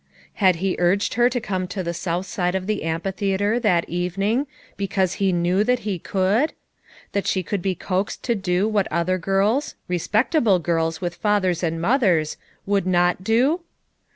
Had he urged her to come to the south side of the Amphitheater, that even ing, because he knew that he could?— that she could be coaxed to do what other girls — re spectable girls with fathers and mothers would not do!"